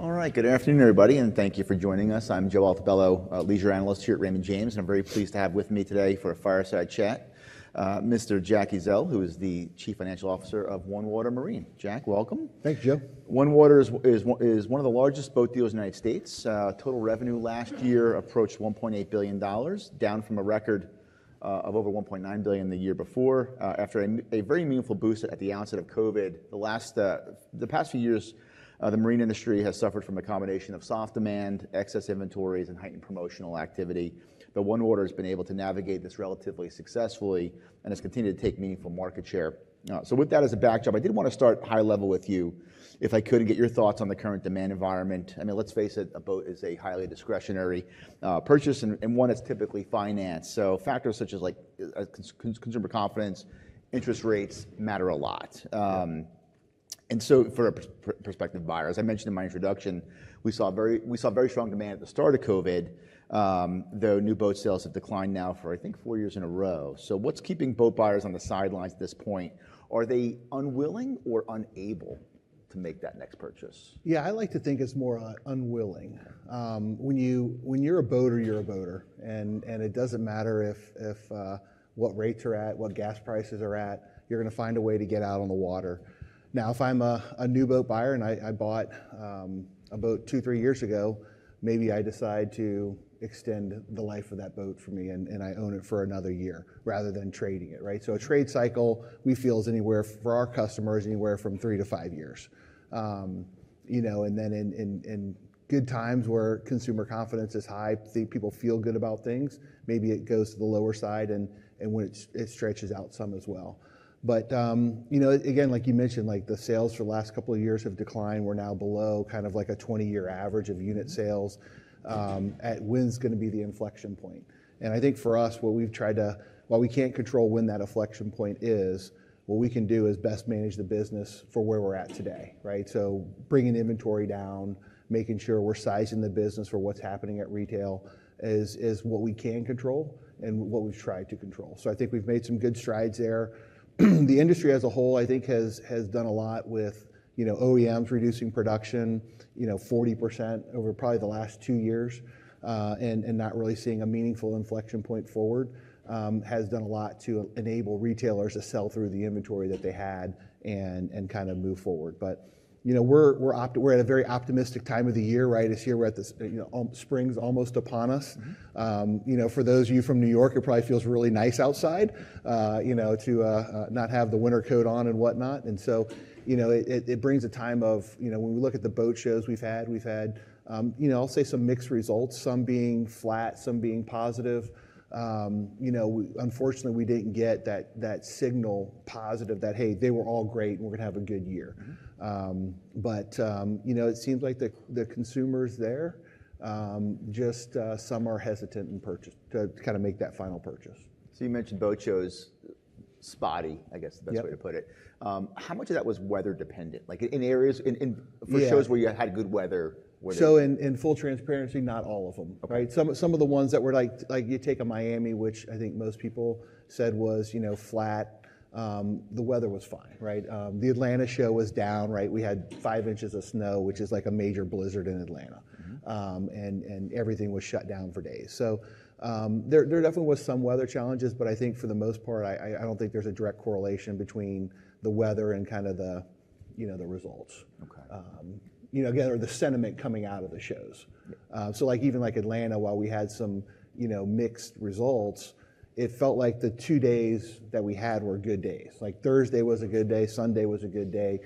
All right, good afternoon, everybody, and thank you for joining us. I'm Joe Altobello, a leisure analyst here at Raymond James, and I'm very pleased to have with me today for a fireside chat, Mr. Jack Ezzell, who is the Chief Financial Officer of OneWater Marine. Jack, welcome. Thanks, Joe. OneWater is one of the largest boat dealers in the United States. Total revenue last year approached $1.8 billion, down from a record of over $1.9 billion the year before after a very meaningful boost at the onset of COVID. The past few years, the marine industry has suffered from a combination of soft demand, excess inventories, and heightened promotional activity. But OneWater has been able to navigate this relatively successfully and has continued to take meaningful market share. So with that as a backdrop, I did want to start high level with you, if I could, and get your thoughts on the current demand environment. I mean, let's face it, a boat is a highly discretionary purchase, and one is typically financed. So factors such as consumer confidence, interest rates, matter a lot. For a prospective buyer, as I mentioned in my introduction, we saw very strong demand at the start of COVID, though new boat sales have declined now for, I think, four years in a row. What's keeping boat buyers on the sidelines at this point? Are they unwilling or unable to make that next purchase? Yeah, I like to think it's more unwilling. When you're a boater, you're a boater, and it doesn't matter what rates are at, what gas prices are at, you're going to find a way to get out on the water. Now, if I'm a new boat buyer and I bought a boat two, three years ago, maybe I decide to extend the life of that boat for me, and I own it for another year rather than trading it, right? So a trade cycle, we feel, is anywhere for our customers anywhere from three to five years. And then in good times where consumer confidence is high, people feel good about things, maybe it goes to the lower side and stretches out some as well. But again, like you mentioned, the sales for the last couple of years have declined. We're now below kind of like a 20-year average of unit sales, as to when it's going to be the inflection point. I think for us, what we've tried to do, while we can't control when that inflection point is, what we can do is best manage the business for where we're at today, right? So bringing inventory down, making sure we're sizing the business for what's happening at retail is what we can control and what we've tried to control. So I think we've made some good strides there. The industry as a whole, I think, has done a lot with OEMs reducing production 40% over probably the last two years and not really seeing a meaningful inflection point forward. It has done a lot to enable retailers to sell through the inventory that they had and kind of move forward. But we're at a very optimistic time of the year, right? This year, spring's almost upon us. For those of you from New York, it probably feels really nice outside to not have the winter coat on and whatnot. And so it brings a time of, when we look at the boat shows we've had, I'll say, some mixed results, some being flat, some being positive. Unfortunately, we didn't get that signal positive that, hey, they were all great and we're going to have a good year. But it seems like the consumers there, just some are hesitant to kind of make that final purchase. So, you mentioned boat shows spotty, I guess, is the best way to put it. How much of that was weather dependent? Like, in areas for shows where you had good weather? So in full transparency, not all of them, right? Some of the ones that were like, you take a Miami, which I think most people said was flat, the weather was fine, right? The Atlanta show was down, right? We had five inches of snow, which is like a major blizzard in Atlanta, and everything was shut down for days. So there definitely were some weather challenges, but I think for the most part, I don't think there's a direct correlation between the weather and kind of the results, again, or the sentiment coming out of the shows. So even like Atlanta, while we had some mixed results, it felt like the two days that we had were good days. Like Thursday was a good day, Sunday was a good day.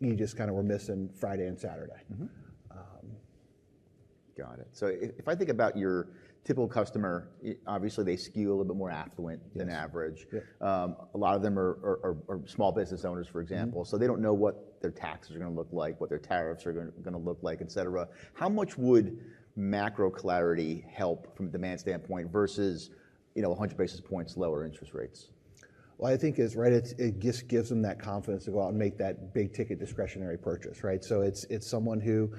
You just kind of were missing Friday and Saturday. Got it. So if I think about your typical customer, obviously they skew a little bit more affluent than average. A lot of them are small business owners, for example, so they don't know what their taxes are going to look like, what their tariffs are going to look like, et cetera. How much would macro clarity help from a demand standpoint versus 100 basis points lower interest rates? Well, I think it's right. It just gives them that confidence to go out and make that big ticket discretionary purchase, right? So it's someone who,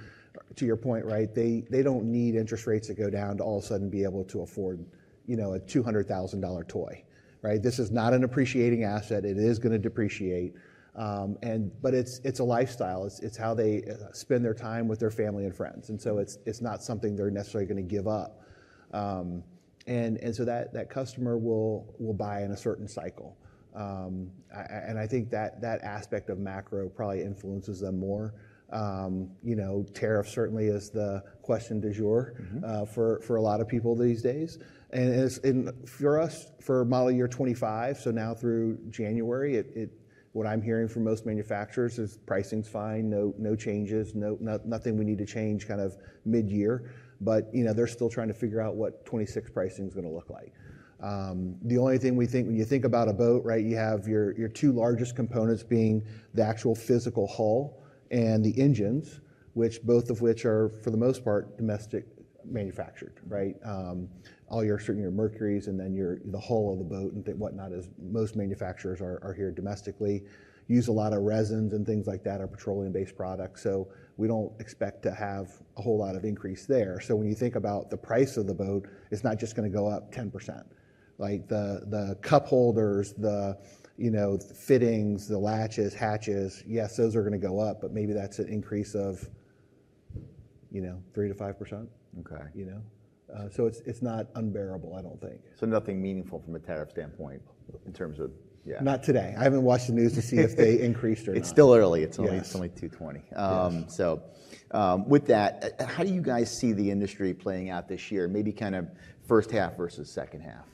to your point, right, they don't need interest rates to go down to all of a sudden be able to afford a $200,000 toy, right? This is not an appreciating asset. It is going to depreciate, but it's a lifestyle. It's how they spend their time with their family and friends. And so it's not something they're necessarily going to give up. And so that customer will buy in a certain cycle. And I think that aspect of macro probably influences them more. Tariff certainly is the question du jour for a lot of people these days. For us, for model year '25, so now through January, what I'm hearing from most manufacturers is pricing's fine, no changes, nothing we need to change kind of mid-year, but they're still trying to figure out what '26 pricing's going to look like. The only thing we think, when you think about a boat, right, you have your two largest components being the actual physical hull and the engines, which both of which are, for the most part, domestically manufactured, right? All your certainly your Mercuries and then the hull of the boat and whatnot is most manufacturers are here domestically. Use a lot of resins and things like that are petroleum-based products. So we don't expect to have a whole lot of increase there. So when you think about the price of the boat, it's not just going to go up 10%. Like the cup holders, the fittings, the latches, hatches, yes, those are going to go up, but maybe that's an increase of 3%-5%. So it's not unbearable, I don't think. So nothing meaningful from a tariff standpoint in terms of, yeah. Not today. I haven't watched the news to see if they increased or not. It's still early. It's only 2:20 P.M. So with that, how do you guys see the industry playing out this year, maybe kind of first half versus second half?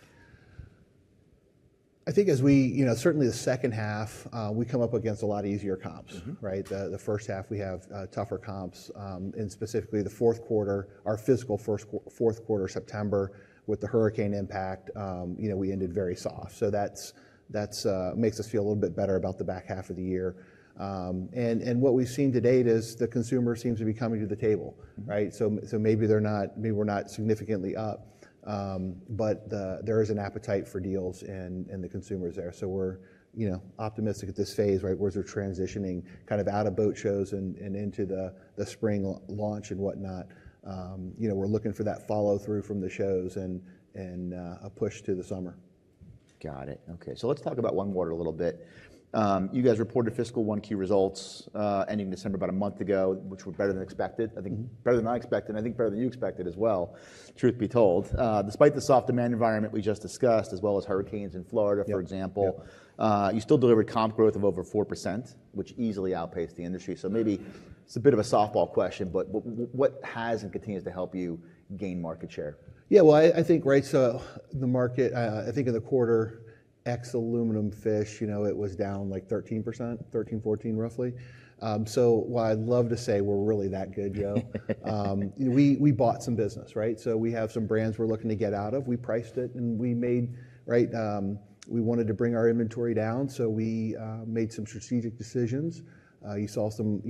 I think as we, certainly the second half, we come up against a lot easier comps, right? The first half, we have tougher comps, and specifically the fourth quarter, our fiscal fourth quarter, September, with the hurricane impact, we ended very soft, so that makes us feel a little bit better about the back half of the year, and what we've seen to date is the consumer seems to be coming to the table, right? So maybe they're not, maybe we're not significantly up, but there is an appetite for deals and the consumer is there, so we're optimistic at this phase, right? Whereas we're transitioning kind of out of boat shows and into the spring launch and whatnot, we're looking for that follow-through from the shows and a push to the summer. Got it. Okay. So let's talk about OneWater a little bit. You guys reported fiscal Q1 results ending December about a month ago, which were better than expected. I think better than I expected, and I think better than you expected as well, truth be told. Despite the soft demand environment we just discussed, as well as hurricanes in Florida, for example, you still delivered comp growth of over 4%, which easily outpaced the industry. So maybe it's a bit of a softball question, but what has and continues to help you gain market share? Yeah, well, I think, right? So the market, I think in the quarter, ex aluminum fish, it was down like 13%, 13, 14 roughly. So while I'd love to say we're really that good, Joe, we bought some business, right? So we have some brands we're looking to get out of. We priced it and we made, right? We wanted to bring our inventory down, so we made some strategic decisions. You saw some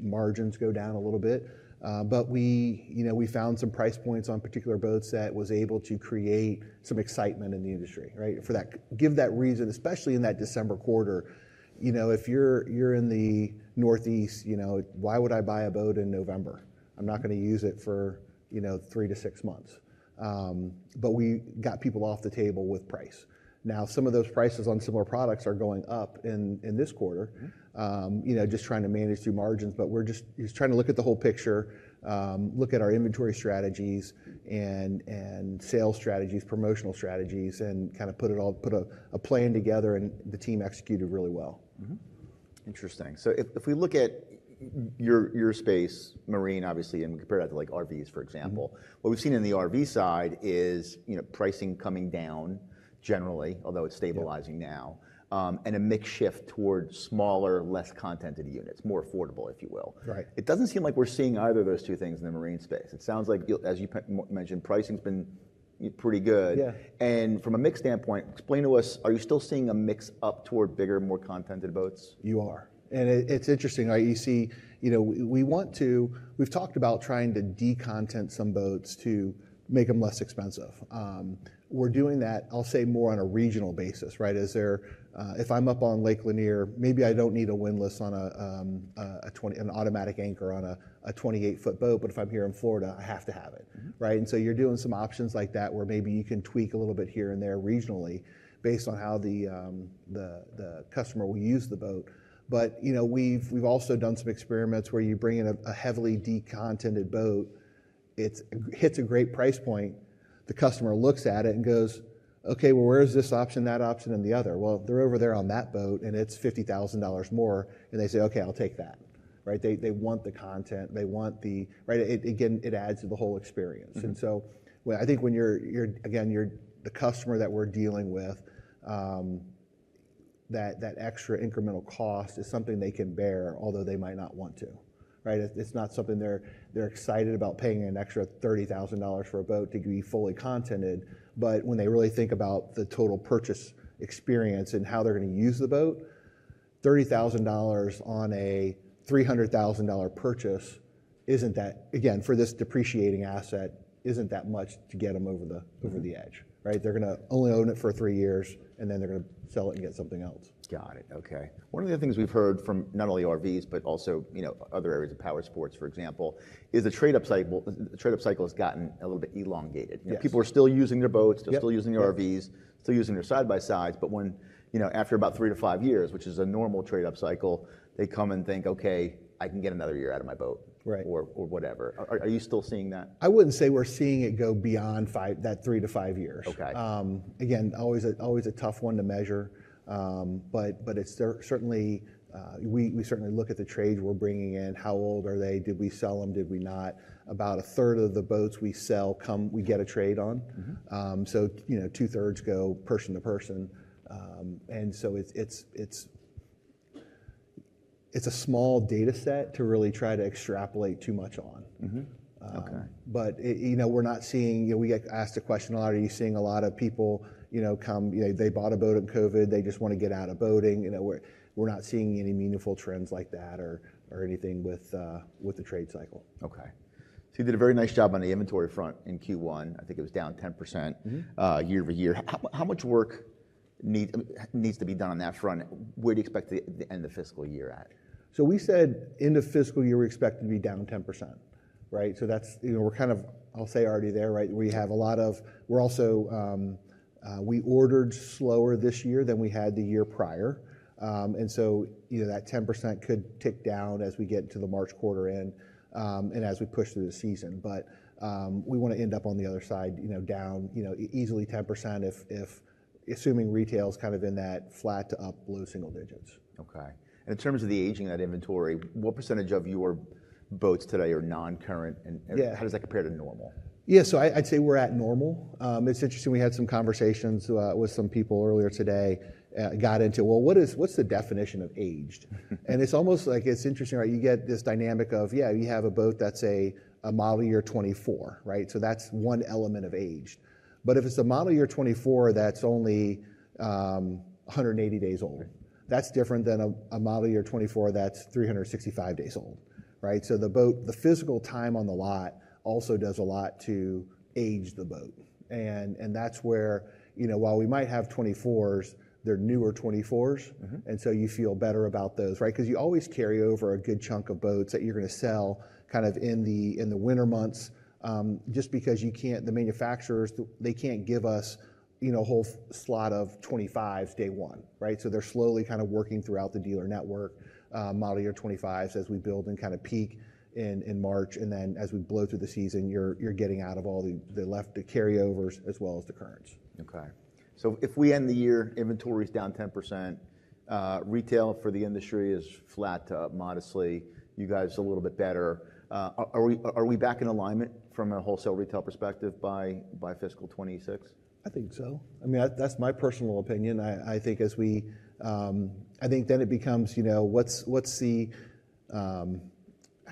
margins go down a little bit, but we found some price points on particular boats that were able to create some excitement in the industry, right? Given that reason, especially in that December quarter. If you're in the Northeast, why would I buy a boat in November? I'm not going to use it for three to six months. But we got people off the table with price. Now, some of those prices on similar products are going up in this quarter, just trying to manage through margins, but we're just trying to look at the whole picture, look at our inventory strategies and sales strategies, promotional strategies, and kind of put a plan together, and the team executed really well. Interesting. So if we look at your space, marine obviously, and we compare that to like RVs, for example, what we've seen on the RV side is pricing coming down generally, although it's stabilizing now, and a mix shift towards smaller, less content units, more affordable, if you will. It doesn't seem like we're seeing either of those two things in the marine space. It sounds like, as you mentioned, pricing's been pretty good. And from a mix standpoint, explain to us, are you still seeing a mix up toward bigger, more content boats? You are, and it's interesting, right? You see, we want to, we've talked about trying to de-content some boats to make them less expensive, we're doing that, I'll say, more on a regional basis, right? If I'm up on Lake Lanier, maybe I don't need a windlass on an automatic anchor on a 28-foot boat, but if I'm here in Florida, I have to have it, right, and so you're doing some options like that where maybe you can tweak a little bit here and there regionally based on how the customer will use the boat, but we've also done some experiments where you bring in a heavily de-contented boat. It hits a great price point. The customer looks at it and goes, "Okay, well, where's this option, that option, and the other?" Well, they're over there on that boat and it's $50,000 more. And they say, "Okay, I'll take that," right? They want the content, right? Again, it adds to the whole experience. And so I think when you're again the customer that we're dealing with, that extra incremental cost is something they can bear, although they might not want to, right? It's not something they're excited about paying an extra $30,000 for a boat to be fully outfitted. But when they really think about the total purchase experience and how they're going to use the boat, $30,000 on a $300,000 purchase isn't that, again, for this depreciating asset, isn't that much to get them over the edge, right? They're going to only own it for three years and then they're going to sell it and get something else. Got it. Okay. One of the things we've heard from not only RVs, but also other areas of power sports, for example, is the trade-up cycle has gotten a little bit elongated. People are still using their boats, they're still using their RVs, still using their side-by-sides. But after about three to five years, which is a normal trade-up cycle, they come and think, "Okay, I can get another year out of my boat," or whatever. Are you still seeing that? I wouldn't say we're seeing it go beyond that three to five years. Again, always a tough one to measure, but it's certainly we certainly look at the trades we're bringing in, how old are they, did we sell them, did we not. About a third of the boats we sell, we get a trade on. So two-thirds go person-to-person, and so it's a small data set to really try to extrapolate too much on, but we're not seeing. We get asked a question a lot, are you seeing a lot of people come, they bought a boat in COVID, they just want to get out of boating. We're not seeing any meaningful trends like that or anything with the trade cycle. Okay. So you did a very nice job on the inventory front in Q1. I think it was down 10% year over year. How much work needs to be done on that front? Where do you expect the end of fiscal year at? So we said end of fiscal year we expect to be down 10%, right? So that's, we're kind of, I'll say already there, right? We have a lot of, we ordered slower this year than we had the year prior. And so that 10% could tick down as we get to the March quarter end and as we push through the season. But we want to end up on the other side, down easily 10%, assuming retail's kind of in that flat to up low single digits. Okay. And in terms of the aging of that inventory, what percentage of your boats today are non-current and how does that compare to normal? Yeah, so I'd say we're at normal. It's interesting. We had some conversations with some people earlier today, got into, well, what's the definition of aged? And it's almost like it's interesting, right? You get this dynamic of, yeah, you have a boat that's a model year '24, right? So that's one element of aged. But if it's a model year '24 that's only 180 days old, that's different than a model year '24 that's 365 days old, right? So the boat, the physical time on the lot also does a lot to age the boat. And that's where, while we might have '24s, they're newer '24s. And so you feel better about those, right? Because you always carry over a good chunk of boats that you're going to sell kind of in the winter months just because you can't, the manufacturers, they can't give us a whole lot of '25s day one, right? So they're slowly kind of working throughout the dealer network, model year '25s as we build and kind of peak in March. And then as we blow through the season, you're getting out of all the leftover carryovers as well as the current. Okay. So if we end the year, inventory's down 10%, retail for the industry is flat to up modestly, you guys are a little bit better. Are we back in alignment from a wholesale retail perspective by fiscal 2026? I think so. I mean, that's my personal opinion. I think as we, I think then it becomes, what's the,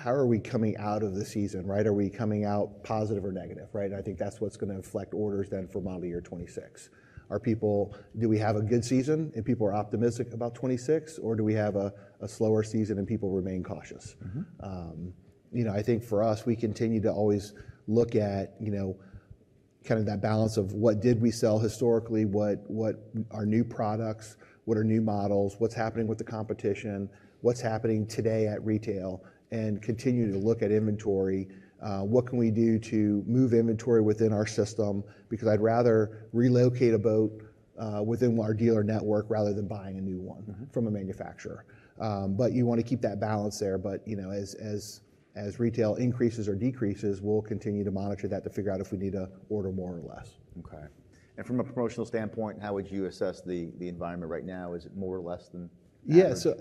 how are we coming out of the season, right? Are we coming out positive or negative, right, and I think that's what's going to inflect orders then for model year '26. Are people, do we have a good season and people are optimistic about '26, or do we have a slower season and people remain cautious? I think for us, we continue to always look at kind of that balance of what did we sell historically, what are new products, what are new models, what's happening with the competition, what's happening today at retail, and continue to look at inventory. What can we do to move inventory within our system? Because I'd rather relocate a boat within our dealer network rather than buying a new one from a manufacturer. You want to keep that balance there. As retail increases or decreases, we'll continue to monitor that to figure out if we need to order more or less. Okay. And from a promotional standpoint, how would you assess the environment right now? Is it more or less than average? Yeah. So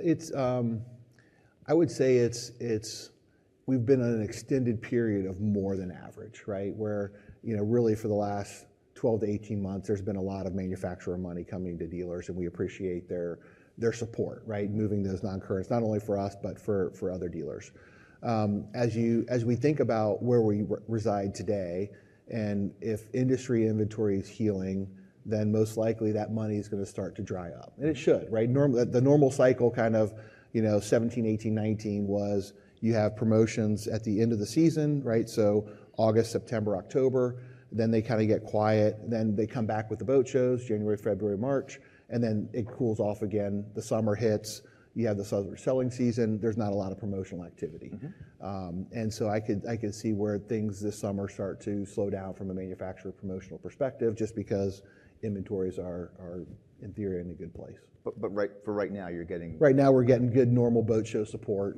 I would say it's. We've been on an extended period of more than average, right? Where really for the last 12 to 18 months, there's been a lot of manufacturer money coming to dealers and we appreciate their support, right? Moving those non-currents, not only for us, but for other dealers. As we think about where we reside today, and if industry inventory is healing, then most likely that money is going to start to dry up. And it should, right? The normal cycle kind of 2017, 2018, 2019 was you have promotions at the end of the season, right? So August, September, October, then they kind of get quiet, then they come back with the boat shows, January, February, March, and then it cools off again. The summer hits, you have the summer selling season, there's not a lot of promotional activity. I could see where things this summer start to slow down from a manufacturer promotional perspective just because inventories are in theory in a good place. But for right now, you're getting. Right now we're getting good normal boat show support.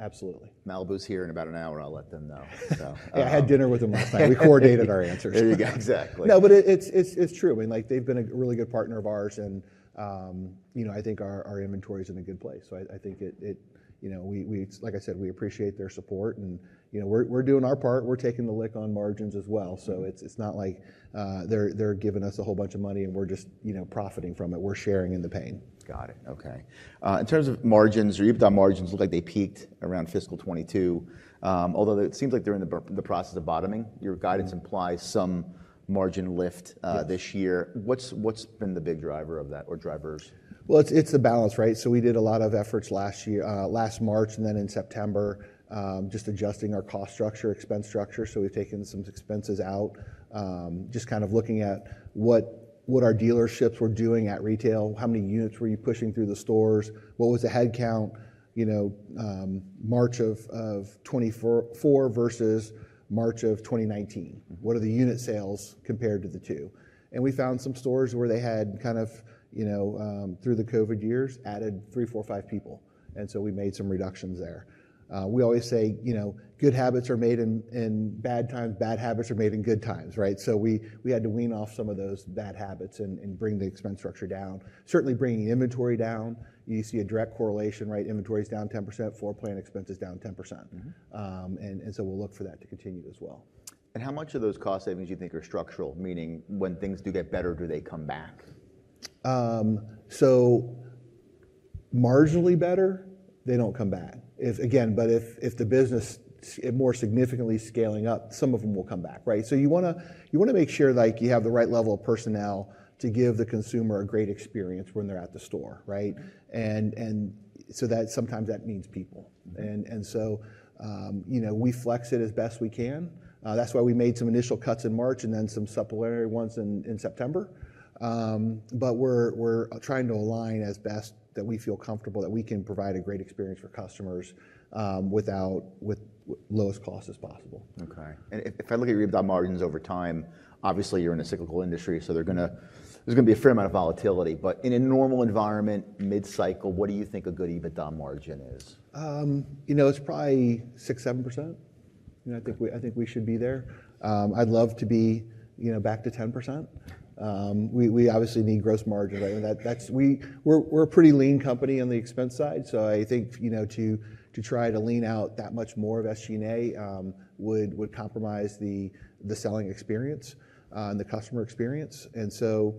Absolutely. Malibu's here in about an hour, I'll let them know. Yeah, I had dinner with him last night. We coordinated our answers. There you go. Exactly. No, but it's true. I mean, like they've been a really good partner of ours and I think our inventory's in a good place. So I think it, like I said, we appreciate their support and we're doing our part. We're taking the hit on margins as well. So it's not like they're giving us a whole bunch of money and we're just profiting from it. We're sharing in the pain. Got it. Okay. In terms of margins, or you've done margins, look like they peaked around fiscal 2022, although it seems like they're in the process of bottoming. Your guidance implies some margin lift this year. What's been the big driver of that or drivers? Well, it's the balance, right? So we did a lot of efforts last year, last March and then in September, just adjusting our cost structure, expense structure. So we've taken some expenses out, just kind of looking at what our dealerships were doing at retail, how many units were you pushing through the stores, what was the headcount, March of 2024 versus March of 2019? What are the unit sales compared to the two? And we found some stores where they had kind of through the COVID years added three, four, five people. And so we made some reductions there. We always say good habits are made in bad times, bad habits are made in good times, right? So we had to wean off some of those bad habits and bring the expense structure down. Certainly bringing inventory down, you see a direct correlation, right? Inventory's down 10%, floor plan expenses down 10%, and so we'll look for that to continue as well. How much of those cost savings do you think are structural, meaning when things do get better, do they come back? So marginally better, they don't come back. Again, but if the business is more significantly scaling up, some of them will come back, right? So you want to make sure like you have the right level of personnel to give the consumer a great experience when they're at the store, right? And so that sometimes that means people. And so we flex it as best we can. That's why we made some initial cuts in March and then some supplementary ones in September. But we're trying to align as best that we feel comfortable that we can provide a great experience for customers with the lowest cost as possible. Okay. And if I look at your EBITDA margins over time, obviously you're in a cyclical industry, so there's going to be a fair amount of volatility. But in a normal environment, mid-cycle, what do you think a good EBITDA margin is? You know, it's probably 6-7%. I think we should be there. I'd love to be back to 10%. We obviously need gross margins, right? We're a pretty lean company on the expense side. So I think to try to lean out that much more of SG&A would compromise the selling experience and the customer experience. And so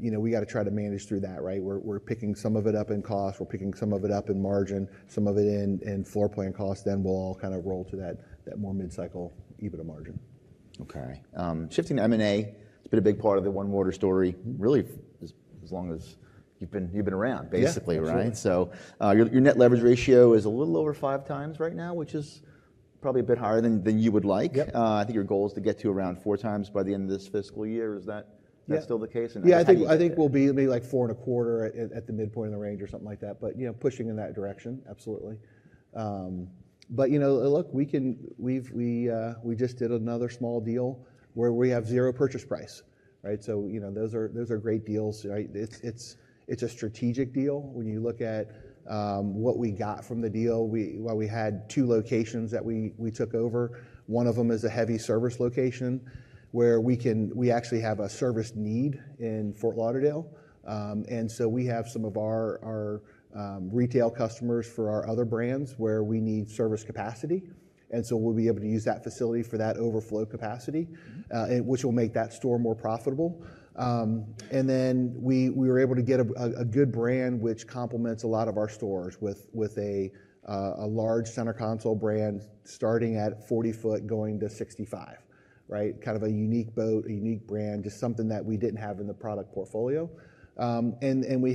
we got to try to manage through that, right? We're picking some of it up in cost, we're picking some of it up in margin, some of it in floor plan cost, then we'll all kind of roll to that more mid-cycle EBITDA margin. Okay. Shifting to M&A, it's been a big part of the OneWater story, really as long as you've been around, basically, right? So your net leverage ratio is a little over five times right now, which is probably a bit higher than you would like. I think your goal is to get to around four times by the end of this fiscal year. Is that still the case? Yeah, I think we'll be like 4.25 at the midpoint of the range or something like that, but pushing in that direction, absolutely, but look, we just did another small deal where we have zero purchase price, right? So those are great deals, right? It's a strategic deal. When you look at what we got from the deal, we had two locations that we took over. One of them is a heavy service location where we actually have a service need in Fort Lauderdale, and so we have some of our retail customers for our other brands where we need service capacity, and so we'll be able to use that facility for that overflow capacity, which will make that store more profitable. And then we were able to get a good brand, which complements a lot of our stores with a large center console brand starting at 40 foot going to 65, right? Kind of a unique boat, a unique brand, just something that we didn't have in the product portfolio. And we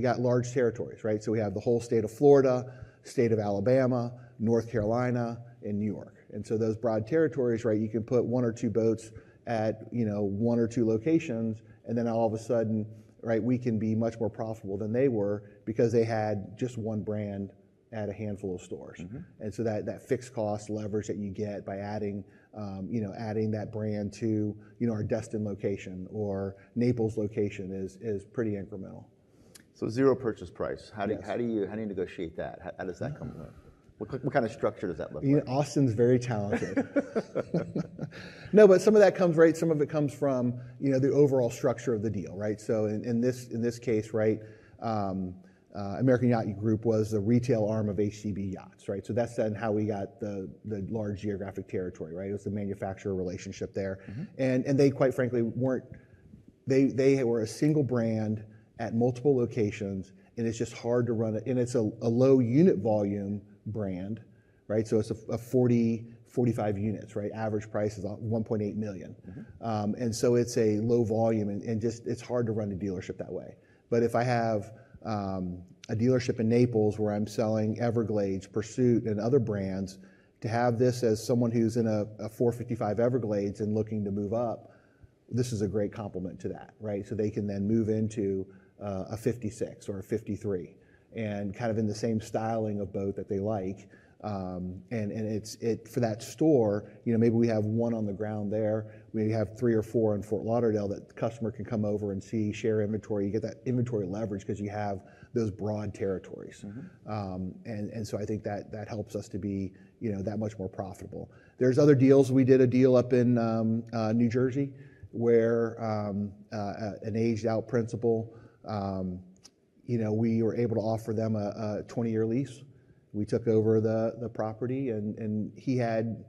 got large territories, right? So we have the whole state of Florida, state of Alabama, North Carolina, and New York. And so those broad territories, right, you can put one or two boats at one or two locations, and then all of a sudden, right, we can be much more profitable than they were because they had just one brand at a handful of stores. And so that fixed cost leverage that you get by adding that brand to our Destin location or Naples location is pretty incremental. So zero purchase price. How do you negotiate that? How does that come up? What kind of structure does that look like? Austin's very talented. No, but some of that comes, right? Some of it comes from the overall structure of the deal, right? So in this case, right, American Yacht Group was the retail arm of HCB Yachts, right? So that's then how we got the large geographic territory, right? It was the manufacturer relationship there. And they, quite frankly, weren't, they were a single brand at multiple locations and it's just hard to run it. And it's a low unit volume brand, right? So it's a 40-45 units, right? Average price is $1.8 million. And so it's a low volume and just it's hard to run a dealership that way. But if I have a dealership in Naples where I'm selling Everglades, Pursuit, and other brands, to have this as someone who's in a 455 Everglades and looking to move up, this is a great complement to that, right? So they can then move into a 56 or a 53 and kind of in the same styling of boat that they like. And for that store, maybe we have one on the ground there, maybe have three or four in Fort Lauderdale that customer can come over and see, share inventory. You get that inventory leverage because you have those broad territories. And so I think that helps us to be that much more profitable. There's other deals. We did a deal up in New Jersey where an aged-out principal, we were able to offer them a 20-year lease. We took over the property and he had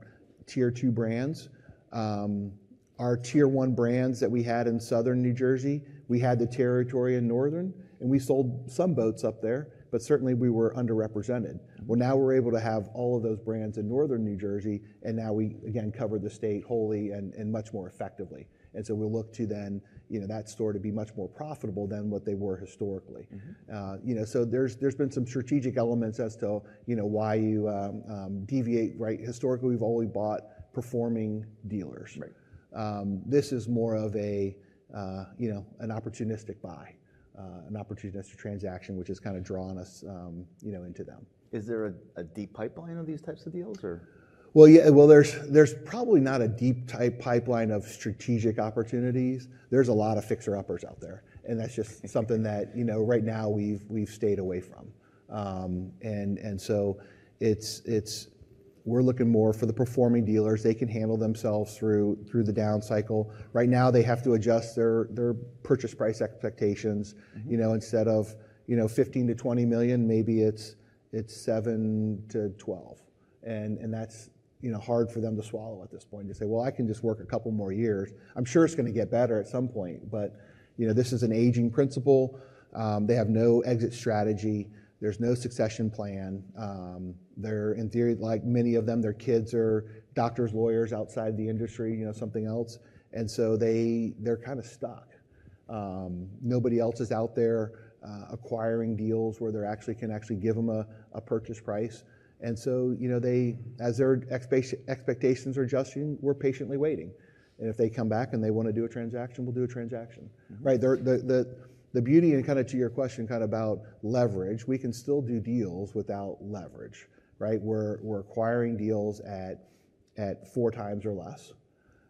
tier two brands. Our tier one brands that we had in southern New Jersey, we had the territory in northern and we sold some boats up there, but certainly we were underrepresented. Now we're able to have all of those brands in northern New Jersey and now we again cover the state wholly and much more effectively. We'll look to then that store to be much more profitable than what they were historically. There's been some strategic elements as to why you deviate, right? Historically, we've always bought performing dealers. This is more of an opportunistic buy, an opportunistic transaction, which has kind of drawn us into them. Is there a deep pipeline of these types of deals or? Well, yeah. Well, there's probably not a deep type pipeline of strategic opportunities. There's a lot of fixer-uppers out there. And that's just something that right now we've stayed away from. And so we're looking more for the performing dealers. They can handle themselves through the down cycle. Right now they have to adjust their purchase price expectations. Instead of $15-$20 million, maybe it's $7-$12 million. And that's hard for them to swallow at this point to say, well, I can just work a couple more years. I'm sure it's going to get better at some point, but this is an aging principal. They have no exit strategy. There's no succession plan. They're in theory, like many of them, their kids are doctors, lawyers outside the industry, something else. And so they're kind of stuck. Nobody else is out there acquiring deals where they can actually give them a purchase price. And so as their expectations are adjusting, we're patiently waiting. And if they come back and they want to do a transaction, we'll do a transaction, right? The beauty and kind of to your question kind of about leverage, we can still do deals without leverage, right? We're acquiring deals at four times or less.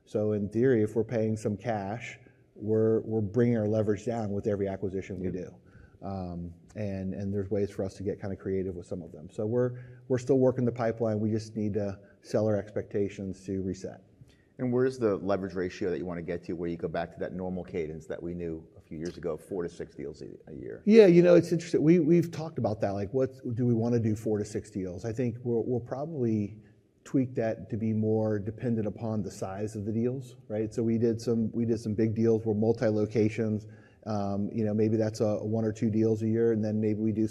So in theory, if we're paying some cash, we're bringing our leverage down with every acquisition we do. And there's ways for us to get kind of creative with some of them. So we're still working the pipeline. We just need to see their expectations reset. Where's the leverage ratio that you want to get to where you go back to that normal cadence that we knew a few years ago, four to six deals a year? Yeah, you know, it's interesting. We've talked about that. Like what do we want to do four to six deals? I think we'll probably tweak that to be more dependent upon the size of the deals, right? So we did some big deals where multi-locations, maybe that's one or two deals a year, and then maybe we do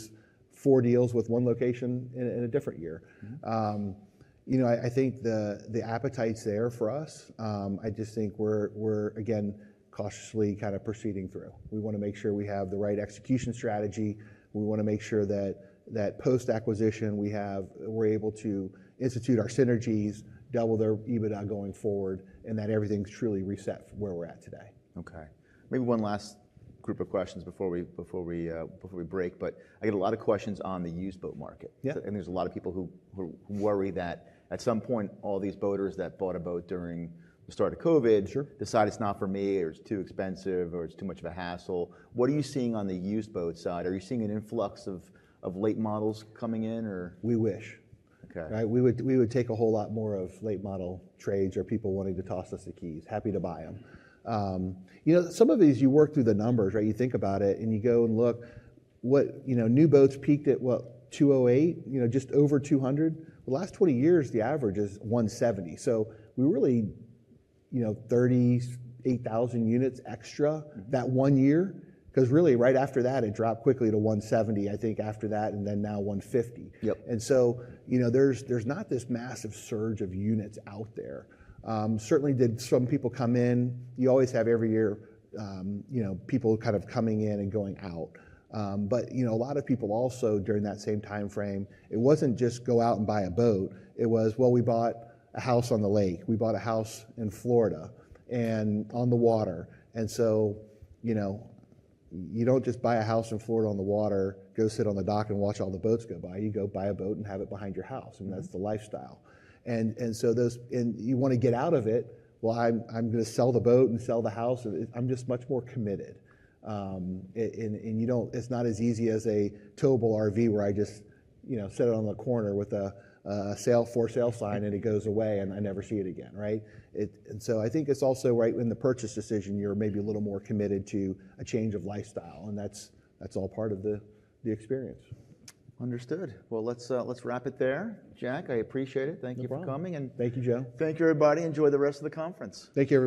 four deals with one location in a different year. I think the appetite's there for us. I just think we're again cautiously kind of proceeding through. We want to make sure we have the right execution strategy. We want to make sure that post-acquisition we're able to institute our synergies, double their EBITDA going forward, and that everything's truly reset from where we're at today. Okay. Maybe one last group of questions before we break, but I get a lot of questions on the used boat market. And there's a lot of people who worry that at some point all these boaters that bought a boat during the start of COVID decide it's not for me or it's too expensive or it's too much of a hassle. What are you seeing on the used boat side? Are you seeing an influx of late models coming in or? We wish. We would take a whole lot more of late model trades or people wanting to toss us the keys. Happy to buy them. Some of these, you work through the numbers, right? You think about it and you go and look. New boats peaked at what, 208, just over 200. The last 20 years, the average is 170, so we really 38,000 units extra that one year. Because really, right after that, it dropped quickly to 170, I think, after that, and then now 150, and so there's not this massive surge of units out there. Certainly did some people come in. You always have every year people kind of coming in and going out, but a lot of people also during that same timeframe, it wasn't just go out and buy a boat. It was, well, we bought a house on the lake. We bought a house in Florida and on the water, and so you don't just buy a house in Florida on the water, go sit on the dock and watch all the boats go by. You go buy a boat and have it behind your house, and that's the lifestyle. And so you want to get out of it, well, I'm going to sell the boat and sell the house. I'm just much more committed, and it's not as easy as a towable RV where I just set it on the corner with a for sale sign and it goes away and I never see it again, right? And so I think it's also right when the purchase decision, you're maybe a little more committed to a change of lifestyle, and that's all part of the experience. Understood. Well, let's wrap it there, Jack. I appreciate it. Thank you for coming. Thank you, Joe. Thank you, everybody. Enjoy the rest of the conference. Take care.